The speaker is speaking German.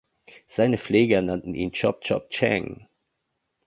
Seine Pfleger nannten ihn Chop Chop Chang.